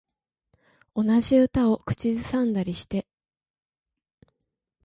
同じ歌を口ずさんでたりして